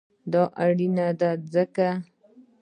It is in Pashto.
دا اړینه ده ځکه: